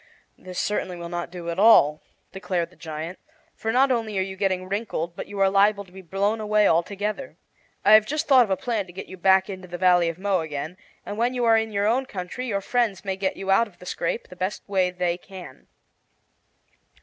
"This certainly will not do at all," declared the giant; "for not only are you getting wrinkled, but you are liable to be blown away; altogether. I have just thought of a plan to get you back into the Valley of Mo again, and when you are in your own country your friends may get you out of the scrape the best way they can."